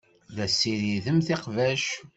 La tessiridemt iqbac.